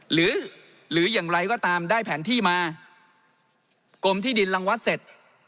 หรือหรืออย่างไรก็ตามได้แผนที่มากรมที่ดินรังวัดเสร็จ